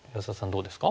どうですか？